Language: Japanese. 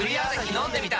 飲んでみた！